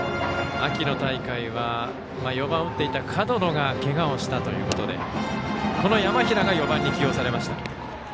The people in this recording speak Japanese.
秋の大会は４番を打っていた門野がけがをしたということでこの山平が４番に起用されました。